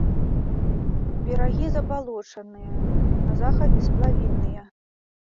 Берагі забалочаныя, на захадзе сплавінныя.